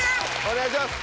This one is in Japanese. お願いします。